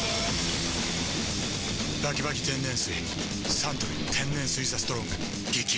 サントリー天然水「ＴＨＥＳＴＲＯＮＧ」激泡